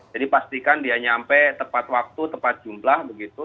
jadi pastikan dia nyampe tepat waktu tepat jumlah begitu